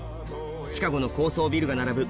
シカゴの高層ビルが並ぶ